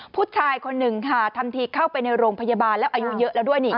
ผู้ชายคนหนึ่งค่ะทำทีเข้าไปในโรงพยาบาลแล้วอายุเยอะแล้วด้วยนี่